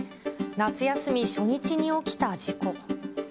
夏休み初日に起きた事故。